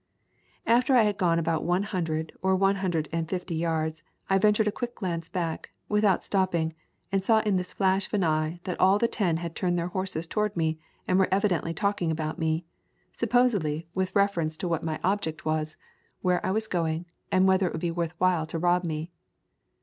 After I had gone about one hundred or one hundred and fifty yards, I ventured a quick glance back, without stopping, and saw in this flash of an eye that all the ten had turned their horses toward me and were evidently talking about me; supposedly, with reference to what [ 28 ] The Cumberland Mountains my object was, where I was going, and whether it would be worth while to rob me.